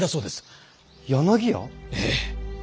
ええ！